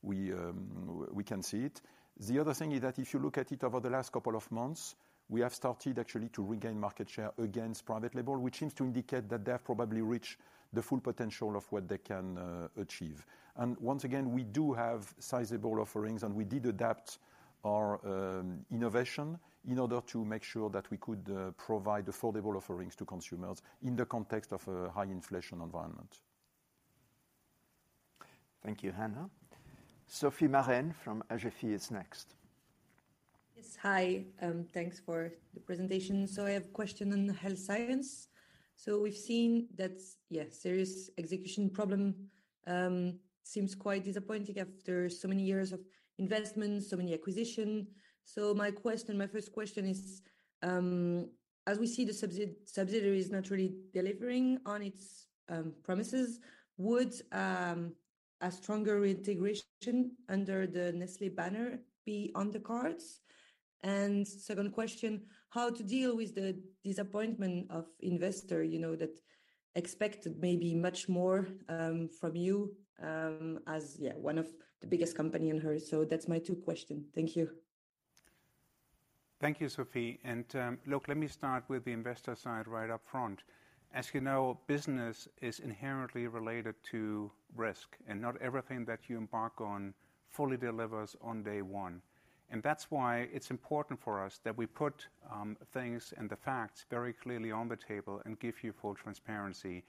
we can see it. The other thing is that if you look at it over the last couple of months, we have started actually to regain market share against private label, which seems to indicate that they have probably reached the full potential of what they can achieve. Once again, we do have sizable offerings, and we did adapt our innovation in order to make sure that we could provide affordable offerings to consumers in the context of a high inflation environment. Thank you, Hanna. Sophie Marenne from AGEFI is next. Yes, hi. Thanks for the presentation. So I have a question on the health science. So we've seen that, yeah, serious execution problem, seems quite disappointing after so many years of investment, so many acquisition. So my question, my first question is, as we see, the subsidiary is not really delivering on its, promises. Would, a stronger integration under the Nestlé banner be on the cards? And second question, how to deal with the disappointment of investor, you know, that expected maybe much more, from you, as, yeah, one of the biggest company in here. So that's my two question. Thank you. Thank you, Sophie. And, look, let me start with the investor side right up front. As you know, business is inherently related to risk, and not everything that you embark on fully delivers on day one. And that's why it's important for us that we put, things and the facts very clearly on the table and give you full transparency.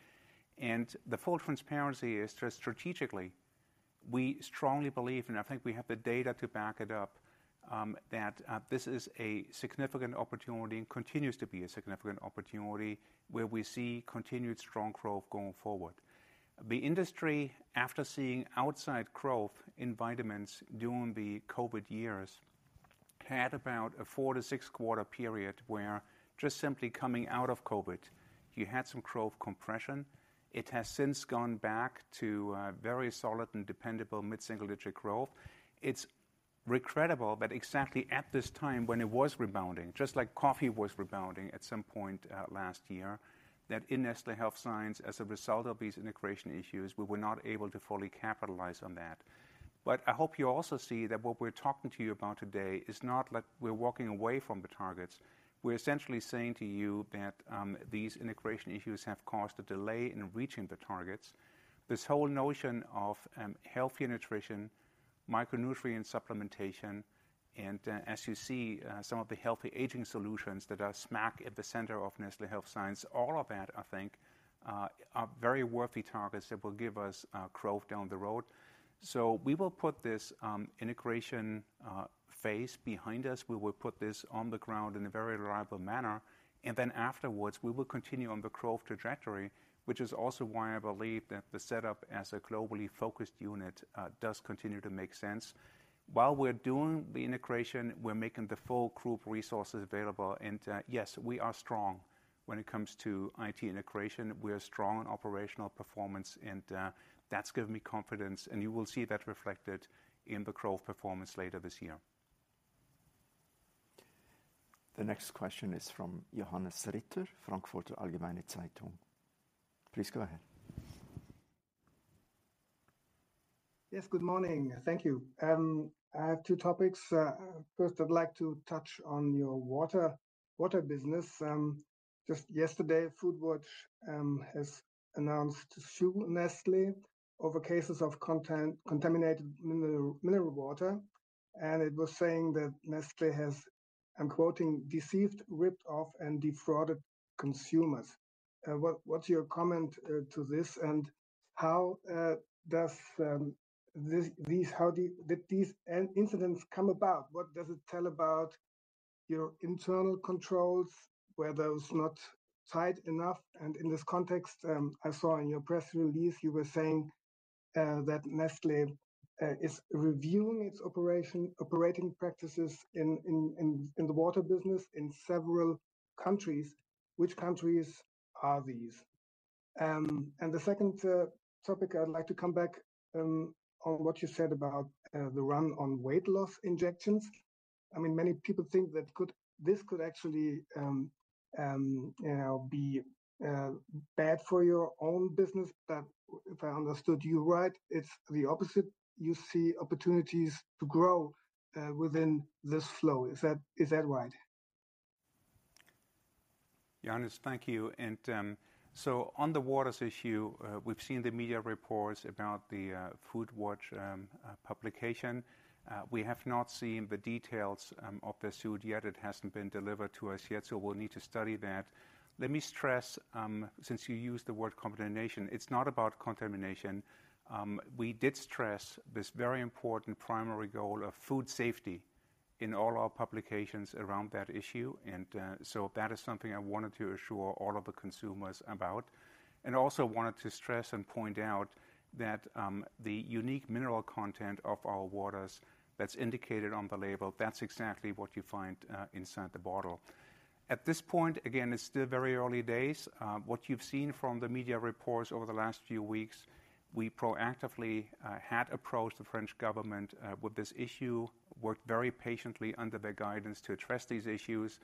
The full transparency is strategically, we strongly believe, and I think we have the data to back it up, that, this is a significant opportunity and continues to be a significant opportunity where we see continued strong growth going forward. The industry, after seeing outside growth in vitamins during the Covid years, had about a 4- to 6-quarter period where just simply coming out of Covid, you had some growth compression. It has since gone back to, very solid and dependable mid-single-digit growth. It's regrettable that exactly at this time when it was rebounding, just like coffee was rebounding at some point last year, that in Nestlé Health Science, as a result of these integration issues, we were not able to fully capitalize on that. But I hope you also see that what we're talking to you about today is not like we're walking away from the targets. We're essentially saying to you that these integration issues have caused a delay in reaching the targets. This whole notion of healthy nutrition, micronutrient supplementation, and as you see, some of the healthy aging solutions that are smack at the center of Nestlé Health Science, all of that, I think, are very worthy targets that will give us growth down the road. So we will put this integration phase behind us. We will put this on the ground in a very reliable manner, and then afterwards, we will continue on the growth trajectory, which is also why I believe that the setup as a globally focused unit does continue to make sense. While we're doing the integration, we're making the full group resources available and, yes, we are strong when it comes to IT integration. We are strong in operational performance, and that's given me confidence, and you will see that reflected in the growth performance later this year. The next question is from Johannes Ritter, Frankfurter Allgemeine Zeitung. Please go ahead. Yes, good morning. Thank you. I have two topics. First, I'd like to touch on your water business. Just yesterday, Foodwatch has announced to sue Nestlé over cases of contaminated mineral water, and it was saying that Nestlé has. I'm quoting, "Deceived, ripped off, and defrauded consumers." What's your comment to this, and how does this, these incidents come about? What does it tell about your internal controls, were those not tight enough? And in this context, I saw in your press release, you were saying that Nestlé is reviewing its operating practices in the water business in several countries. Which countries are these? And the second topic, I'd like to come back on what you said about the run on weight loss injections. I mean, many people think that could—this could actually be bad for your own business. But if I understood you right, it's the opposite. You see opportunities to grow within this flow. Is that right? Johannes, thank you. So on the waters issue, we've seen the media reports about the Foodwatch publication. We have not seen the details of the suit yet. It hasn't been delivered to us yet, so we'll need to study that. Let me stress, since you used the word contamination, it's not about contamination. We did stress this very important primary goal of food safety in all our publications around that issue, and so that is something I wanted to assure all of the consumers about. Also wanted to stress and point out that the unique mineral content of our waters that's indicated on the label, that's exactly what you find inside the bottle. At this point, again, it's still very early days. What you've seen from the media reports over the last few weeks, we proactively had approached the French government with this issue, worked very patiently under their guidance to address these issues.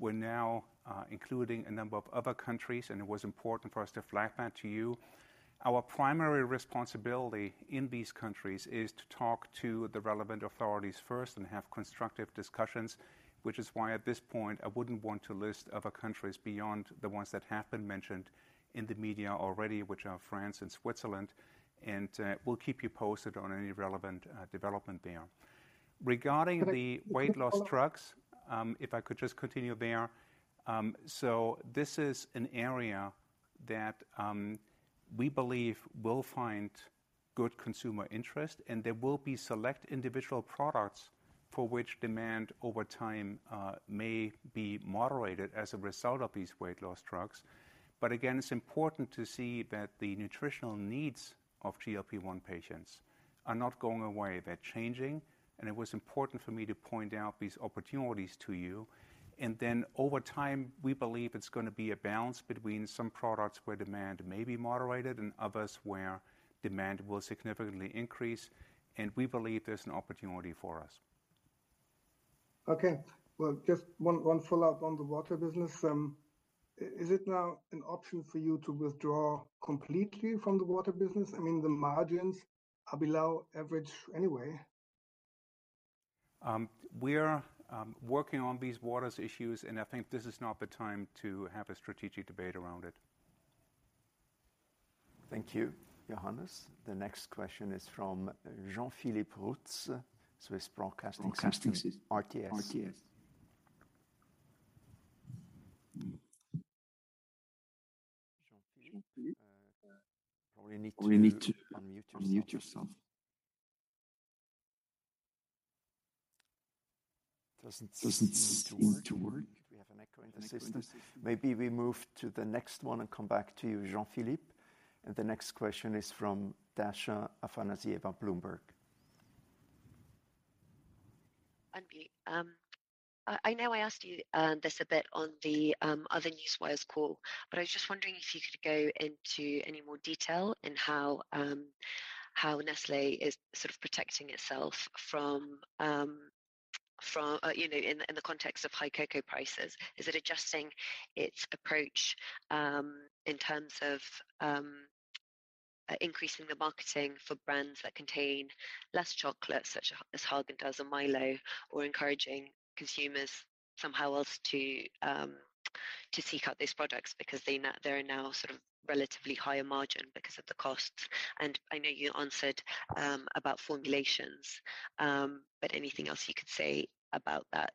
We're now including a number of other countries, and it was important for us to flag that to you. Our primary responsibility in these countries is to talk to the relevant authorities first and have constructive discussions, which is why, at this point, I wouldn't want to list other countries beyond the ones that have been mentioned in the media already, which are France and Switzerland, and we'll keep you posted on any relevant development there. Regarding the- Can I-... weight loss drugs, if I could just continue there. So this is an area that we believe will find good consumer interest, and there will be select individual products for which demand over time may be moderated as a result of these weight loss drugs. But again, it's important to see that the nutritional needs of GLP-1 patients are not going away. They're changing, and it was important for me to point out these opportunities to you. And then over time, we believe it's gonna be a balance between some products where demand may be moderated and others where demand will significantly increase, and we believe there's an opportunity for us. Okay. Well, just one follow-up on the water business. Is it now an option for you to withdraw completely from the water business? I mean, the margins are below average anyway. We're working on these water issues, and I think this is not the time to have a strategic debate around it. Thank you, Johannes. The next question is from Jean-Philippe Rutz, Swiss Broadcasting System, RTS. Jean-Philippe, you need to unmute yourself. Doesn't seem to work. We have an echo in the system. Maybe we move to the next one and come back to you, Jean-Philippe. And the next question is from Dasha Afanasieva, Bloomberg. Hi, Ulrik. I know I asked you this a bit on the other Newswires call, but I was just wondering if you could go into any more detail in how Nestlé is sort of protecting itself from... You know, in the context of high cocoa prices. Is it adjusting its approach in terms of increasing the marketing for brands that contain less chocolate, such as Häagen-Dazs and Milo, or encouraging consumers somehow else to seek out these products because they now-- they're now sort of relatively higher margin because of the costs? And I know you answered about formulations, but anything else you could say about that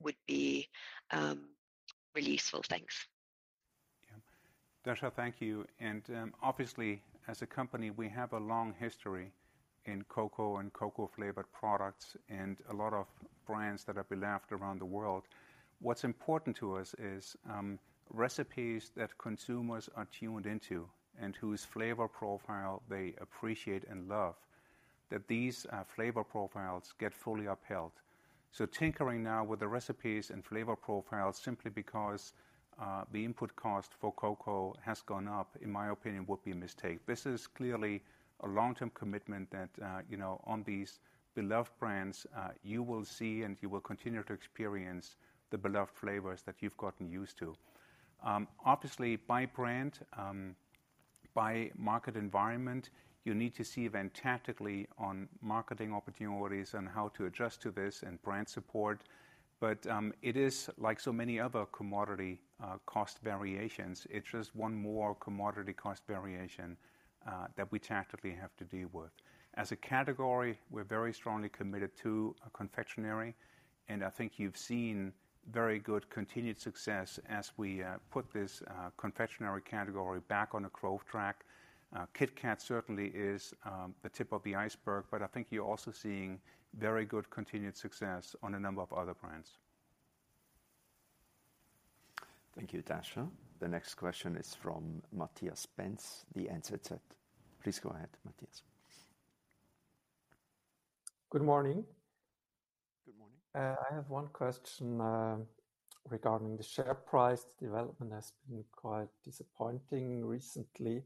would be really useful. Thanks. Yeah. Dasha, thank you. And, obviously, as a company, we have a long history in cocoa and cocoa-flavored products, and a lot of brands that are beloved around the world. What's important to us is, recipes that consumers are tuned into and whose flavor profile they appreciate and love, that these, flavor profiles get fully upheld. So tinkering now with the recipes and flavor profiles simply because, the input cost for cocoa has gone up, in my opinion, would be a mistake. This is clearly a long-term commitment that, you know, on these beloved brands, you will see, and you will continue to experience the beloved flavors that you've gotten used to. Obviously, by brand, by market environment, you need to see then tactically on marketing opportunities and how to adjust to this and brand support. But, it is like so many other commodity, cost variations, it's just one more commodity cost variation, that we tactically have to deal with. As a category, we're very strongly committed to confectionery, and I think you've seen very good continued success as we, put this, confectionery category back on a growth track. KitKat certainly is, the tip of the iceberg, but I think you're also seeing very good continued success on a number of other brands. Thank you, Dasha. The next question is from Matthias Benz, the NZZ. Please go ahead, Matthias. Good morning. Good morning. I have one question, regarding the share price. Development has been quite disappointing recently.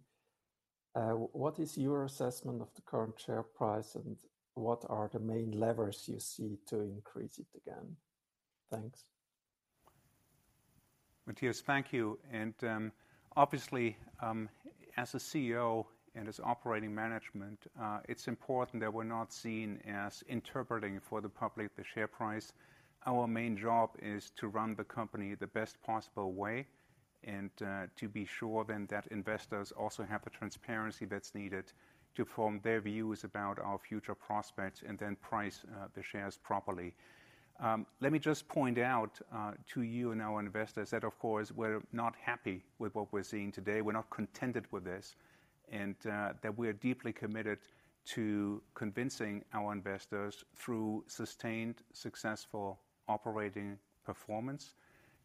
What is your assessment of the current share price, and what are the main levers you see to increase it again? Thanks. Matthias, thank you. Obviously, as a CEO and as operating management, it's important that we're not seen as interpreting for the public the share price. Our main job is to run the company the best possible way, and to be sure then that investors also have the transparency that's needed to form their views about our future prospects, and then price the shares properly. Let me just point out to you and our investors, that, of course, we're not happy with what we're seeing today. We're not contented with this, and that we're deeply committed to convincing our investors through sustained, successful operating performance,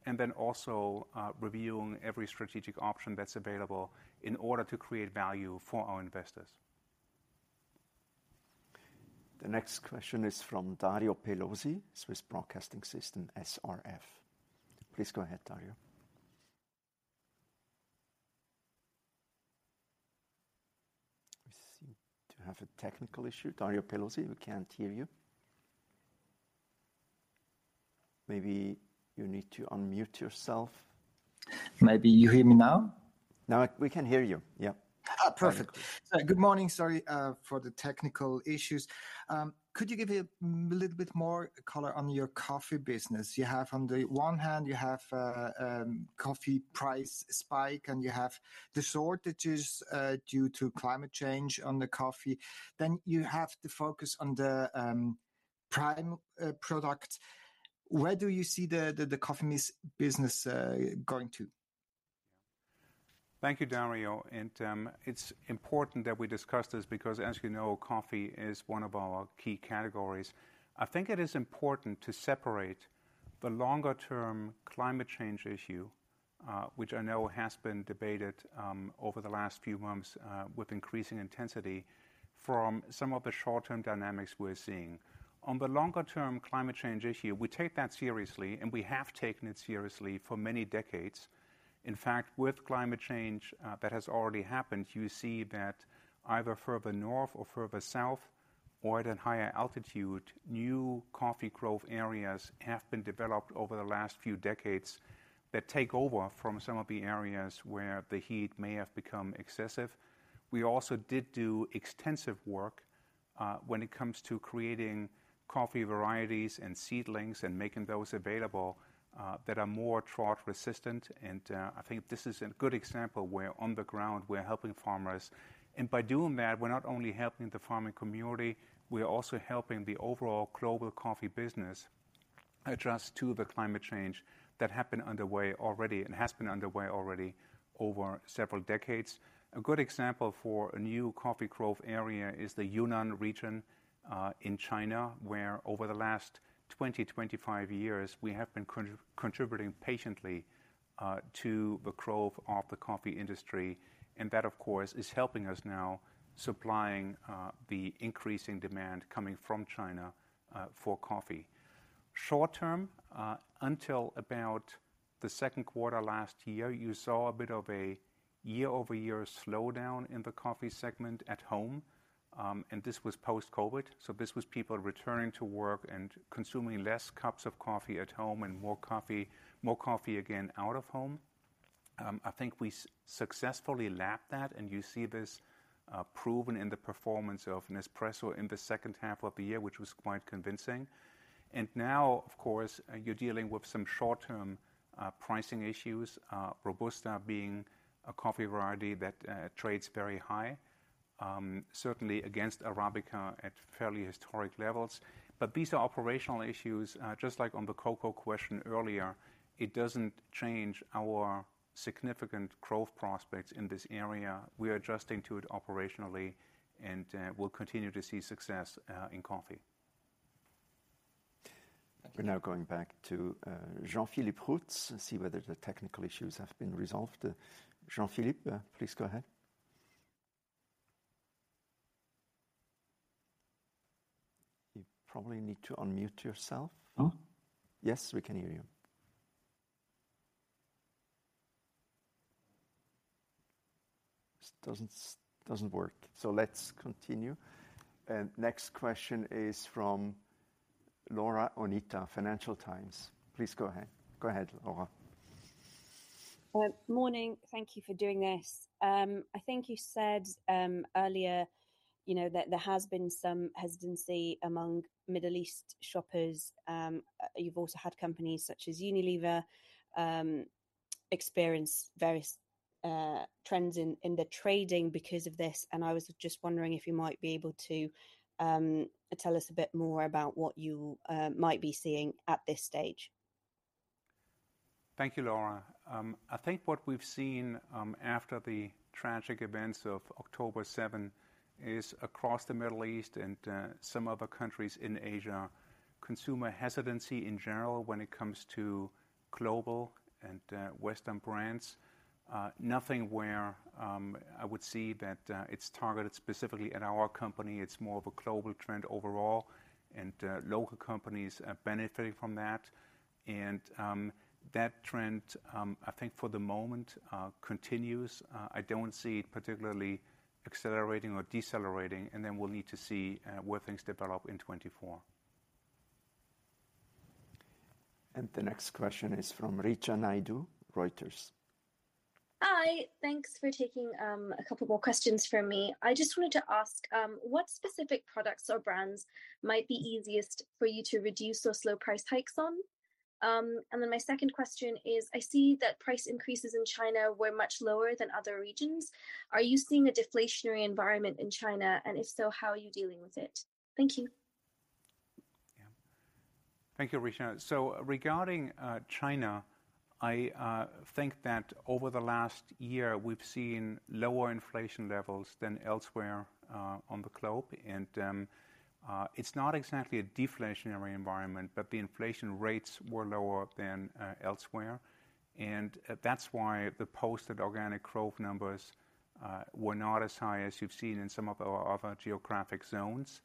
and then also reviewing every strategic option that's available in order to create value for our investors. The next question is from Dario Pelosi, Swiss Broadcasting System, SRF. Please go ahead, Dario. We seem to have a technical issue. Dario Pelosi, we can't hear you. Maybe you need to unmute yourself. Maybe you hear me now? Now we can hear you. Yeah. Ah, perfect. All right. Good morning. Sorry for the technical issues. Could you give a little bit more color on your coffee business? You have, on the one hand, you have coffee price spike, and you have the shortages due to climate change on the coffee. Then you have the focus on the prime product. Where do you see the coffee business going to? Thank you, Dario, and it's important that we discuss this because, as you know, coffee is one of our key categories. I think it is important to separate the longer term climate change issue, which I know has been debated over the last few months with increasing intensity, from some of the short-term dynamics we're seeing. On the longer-term climate change issue, we take that seriously, and we have taken it seriously for many decades. In fact, with climate change that has already happened, you see that either further north or further south, or at a higher altitude, new coffee growth areas have been developed over the last few decades that take over from some of the areas where the heat may have become excessive. We also did do extensive work when it comes to creating coffee varieties and seedlings, and making those available that are more drought resistant. And I think this is a good example where on the ground we're helping farmers. And by doing that, we're not only helping the farming community, we are also helping the overall global coffee business adjust to the climate change that happened underway already and has been underway already over several decades. A good example for a new coffee growth area is the Yunnan region in China, where over the last 20-25 years, we have been contributing patiently to the growth of the coffee industry, and that, of course, is helping us now supplying the increasing demand coming from China for coffee. Short term, until about the second quarter last year, you saw a bit of a year-over-year slowdown in the coffee segment at home. And this was post-COVID, so this was people returning to work and consuming less cups of coffee at home and more coffee, more coffee again out of home. I think we successfully lapped that, and you see this proven in the performance of Nespresso in the second half of the year, which was quite convincing. And now, of course, you're dealing with some short-term pricing issues, Robusta being a coffee variety that trades very high, certainly against Arabica at fairly historic levels. But these are operational issues, just like on the cocoa question earlier, it doesn't change our significant growth prospects in this area. We are adjusting to it operationally and we'll continue to see success in coffee. We're now going back to, Jean-Philippe Rutz to see whether the technical issues have been resolved. Jean-Philippe, please go ahead. You probably need to unmute yourself. Huh? Yes, we can hear you. It doesn't work, so let's continue. Next question is from Laura Onita, Financial Times. Please go ahead. Go ahead, Laura. Morning. Thank you for doing this. I think you said earlier, you know, that there has been some hesitancy among Middle East shoppers. You've also had companies such as Unilever experience various trends in the trading because of this, and I was just wondering if you might be able to tell us a bit more about what you might be seeing at this stage. Thank you, Laura. I think what we've seen, after the tragic events of October 7, is across the Middle East and, some other countries in Asia, consumer hesitancy in general when it comes to global and, Western brands. Nothing where, I would see that, it's targeted specifically at our company. It's more of a global trend overall, and, local companies are benefiting from that. That trend, I think for the moment, continues. I don't see it particularly accelerating or decelerating, and then we'll need to see, where things develop in 2024. The next question is from Richa Naidu, Reuters. Hi. Thanks for taking a couple more questions from me. I just wanted to ask what specific products or brands might be easiest for you to reduce or slow price hikes on? And then my second question is, I see that price increases in China were much lower than other regions. Are you seeing a deflationary environment in China, and if so, how are you dealing with it? Thank you. Yeah. Thank you, Richa. So regarding China, I think that over the last year we've seen lower inflation levels than elsewhere on the globe. And it's not exactly a deflationary environment, but the inflation rates were lower than elsewhere. And that's why the posted organic growth numbers were not as high as you've seen in some of our other geographic zones.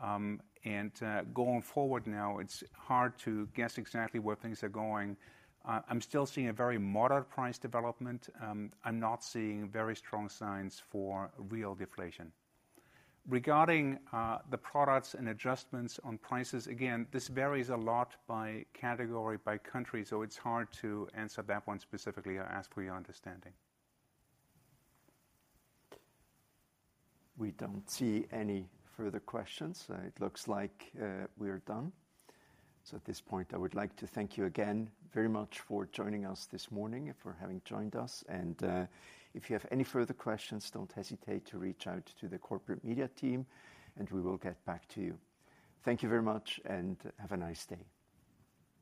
And going forward now, it's hard to guess exactly where things are going. I'm still seeing a very moderate price development. I'm not seeing very strong signs for real deflation. Regarding the products and adjustments on prices, again, this varies a lot by category, by country, so it's hard to answer that one specifically. I ask for your understanding. We don't see any further questions. It looks like we are done. At this point, I would like to thank you again very much for joining us this morning and for having joined us. If you have any further questions, don't hesitate to reach out to the corporate media team, and we will get back to you. Thank you very much, and have a nice day.